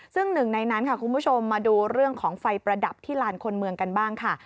ซึ่งหนึ่งในนั้นค่ะคุณผู้ชมมาดูเรื่องของไฟประดับที่ลานคนเมืองกันบ้างค่ะ